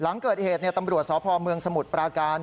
หลังเกิดเหตุตำรวจสพเมืองสมุทรปราการ